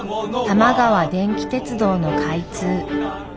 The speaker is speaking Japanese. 玉川電気鉄道の開通。